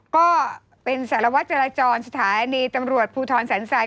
ก็เป็นสารวจรจรสถานีตำรวจภูทรศัลสาย